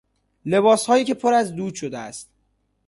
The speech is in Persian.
لباسهایی که پر از دود شده است